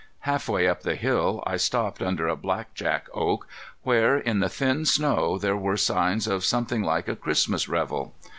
Halfway up the hill I stopped under a blackjack oak, where, in the thin snow, there were signs of something like a Christmas revel.